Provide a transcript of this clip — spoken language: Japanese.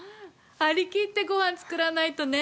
はりきってご飯作らないとね。